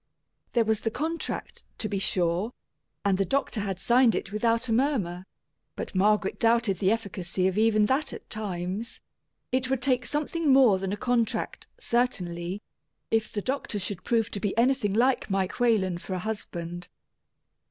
There was the contract, to be sure, and the doctor had signed it without a murmur; but Margaret doubted the efficacy of even that at times it would take something more than a contract, certainly, if the doctor should prove to be anything like Mike Whalen for a husband.